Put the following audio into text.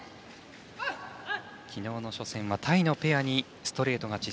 昨日の初戦はタイのペアにストレート勝ち。